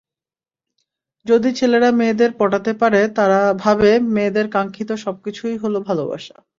যদি ছেলেরা মেয়েদের পটাতে পারে তারা ভাবে, মেয়েদের কাঙ্ক্ষিত সবকিছুই হলো ভালোবাসা।